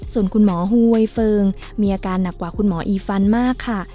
ส่วนคุณหมอหวยเฟิงมีอาการหนักกว่าคุณหมออีฟันมากค่ะ